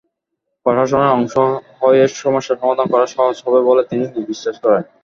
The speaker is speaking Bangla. প্রশাসনের অংশ হয়ে সমস্যা সমাধান করা সহজ হবে বলে তিনি বিশ্বাস করেন।